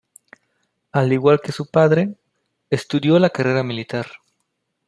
Al igual que su padre, estudió la carrera militar.